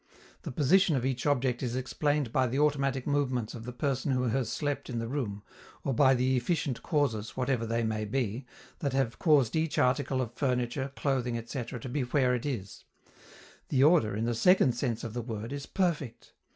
The position of each object is explained by the automatic movements of the person who has slept in the room, or by the efficient causes, whatever they may be, that have caused each article of furniture, clothing, etc., to be where it is: the order, in the second sense of the word, is perfect.